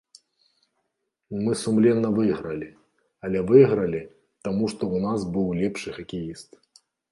Мы сумленна выйгралі, але выйгралі, таму што ў нас быў лепшы хакеіст.